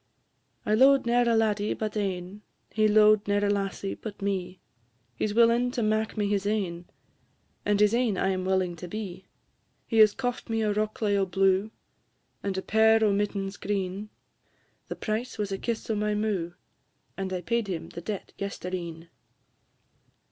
I lo'ed ne'er a laddie but ane, He lo'ed ne'er a lassie but me; He 's willing to mak' me his ain, And his ain I am willing to be. He has coft me a rokelay o' blue, And a pair o' mittens o' green; The price was a kiss o' my mou', And I paid him the debt yestreen.